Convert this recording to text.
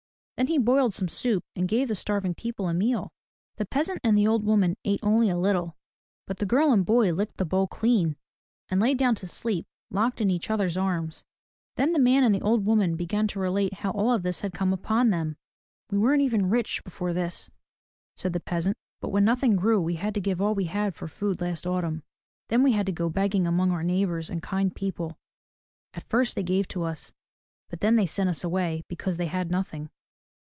Then he boiled some soup and gave the starving people a meal. The peasant and the old woman ate only a little, but the girl and boy licked the bowl clean, and lay down to sleep locked in each other's arms. Then the man and the old woman began to relate how all this had come upon them. "We weren't rich even before this," said the peasant, "but when nothing grew we had to give all we had for food last autumn. Then we had to go begging among our neighbors and kind people. At first they gave to us, but then they sent us away because they had nothing.